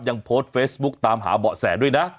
ยังโพสต์เฟซบุ๊กตามหาเบาะแสด้วยนะ